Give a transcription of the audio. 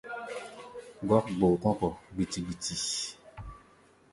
Gɔ́k gboo kɔ́ kɔ̧ gbiti-gbiti.